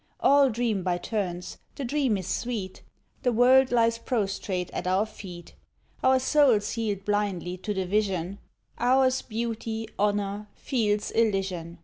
All dream by turns; the dream is sweet; The world lies prostrate at our feet: Our souls yield blindly to the vision, Ours beauty, honour, fields Elysian.